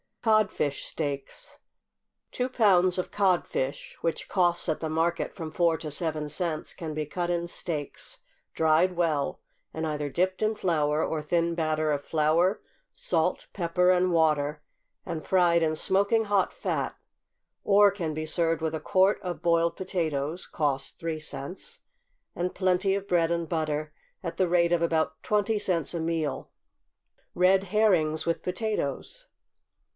=Codfish Steaks.= Two pounds of codfish, (which costs at the market from four to seven cents,) can be cut in steaks, dried well, and either dipped in flour, or thin batter of flour, salt, pepper, and water, and fried in smoking hot fat, or can be served with a quart of boiled potatoes, (cost three cents,) and plenty of bread and butter, at the rate of about twenty cents a meal. =Red Herrings with Potatoes.